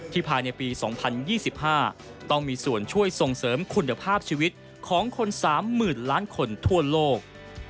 ภายในปี๒๐๒๕ต้องมีส่วนช่วยส่งเสริมคุณภาพชีวิตของคน๓๐๐๐ล้านคนทั่วโลก